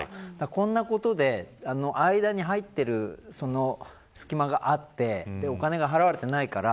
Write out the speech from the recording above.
こんなことで、間に入っている隙間があってお金が払われていないから